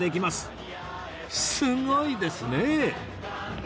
すごいですね！